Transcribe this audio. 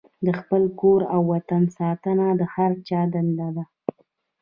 د خپل کور او وطن ساتنه د هر چا دنده ده.